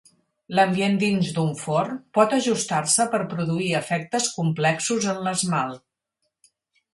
L'ambient dins d'un forn pot ajustar-se per produir efectes complexos en l'esmalt.